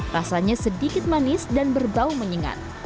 rasanya sedikit manis dan berbau menyengat